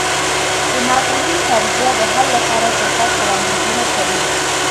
د ناپوهۍ فرضیه د حل لپاره چټک وړاندیزونه کوي.